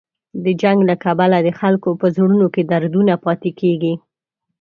د جنګ له کبله د خلکو په زړونو کې دردونه پاتې کېږي.